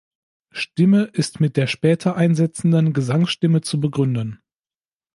Stimme ist mit der später einsetzenden Gesangsstimme zu begründen.